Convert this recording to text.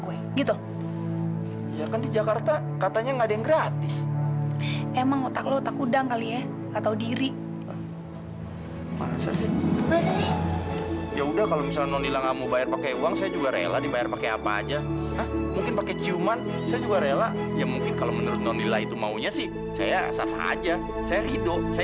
wih pokoknya ibu nggak mau kalau kamu sampai deket lagi sama si andre